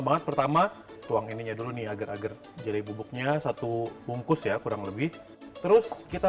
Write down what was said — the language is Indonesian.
banget pertama tuang ininya dulu nih agar agar jadi bubuknya satu bungkus ya kurang lebih terus kita